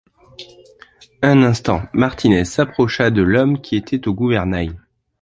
Un instant, Martinez s’approcha de l’homme qui était au gouvernail